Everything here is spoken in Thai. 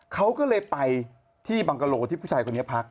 เขาก็เลยไปที่บังกะโลที่ผู้ชายคนนี้พัก